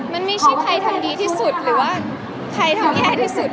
มันไม่ใช่ใครทำดีที่สุดหรือว่าใครทำแย่ที่สุด